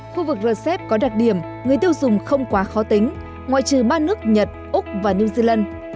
khu vực rcep có đặc điểm người tiêu dùng không quá khó tính ngoại trừ ba nước nhật úc và new zealand